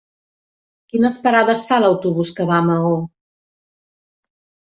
Quines parades fa l'autobús que va a Maó?